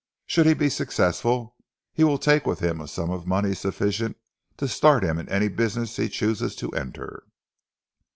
"Should he be successful, he will take with him a sum of money sufficient to start him in any business he chooses to enter."